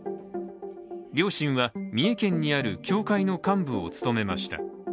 両親は三重県にある教会の幹部を務めました。